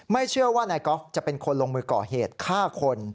เชื่อว่านายกอล์ฟจะเป็นคนลงมือก่อเหตุฆ่าคน